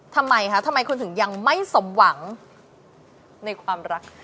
ทำไมคะทำไมคุณถึงยังไม่สมหวังในความรัก